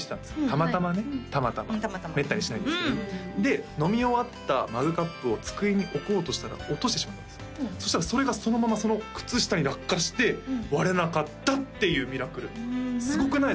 たまたまめったにしないんですけどねで飲み終わったマグカップを机に置こうとしたら落としてしまったんですよそしたらそれがそのままその靴下に落下して割れなかったっていうミラクルすごくないですか？